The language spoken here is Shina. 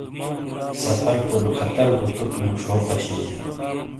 سفر پُر خطر تُٹ مُچھو بو پشی جین۔